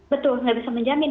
betul nggak bisa menjamin